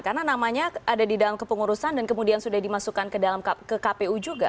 karena namanya ada di dalam kepengurusan dan kemudian sudah dimasukkan ke dalam ke kpu juga